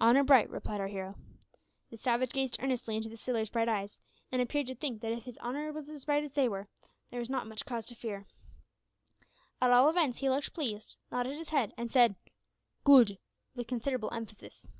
"Honour bright!" replied our hero. The savage gazed earnestly into the sailor's bright eyes, and appeared to think that if his honour was as bright as they were, there was not much cause to fear. At all events he looked pleased, nodded his head, and said "Good," with considerable emphasis.